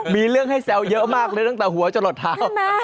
มีเรื่องให้แซวเยอะมากเลยตั้งแต่หัวจะหลดเท้า